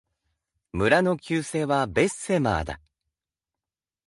村の旧姓は、ベッセマーだ。